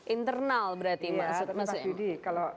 internal berarti maksudnya